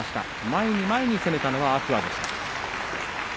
前に前に攻めた天空海でした。